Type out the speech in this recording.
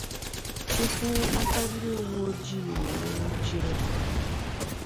tupuu aka ndị uweojii wee nwụchie ha.